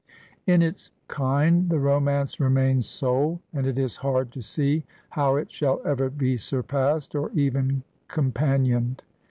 In its land the romance remains sole, and it is hard to see how it shall ever be surpassed, or even com panioned.